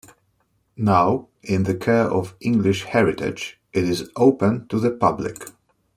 Now in the care of English Heritage, it is open to the public.